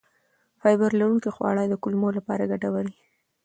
فایبر لرونکي خواړه د کولمو لپاره ګټور دي.